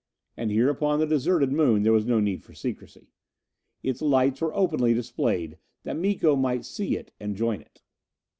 And here upon the deserted Moon there was no need for secrecy. Its lights were openly displayed, that Miko might see it and join it.